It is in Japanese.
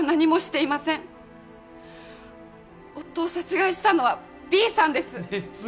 夫を殺害したのはＢさんです。